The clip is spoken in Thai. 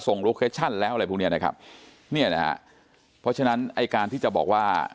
โลเคชั่นแล้วอะไรพวกเนี้ยนะครับเนี่ยนะฮะเพราะฉะนั้นไอ้การที่จะบอกว่า